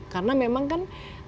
karena memang kan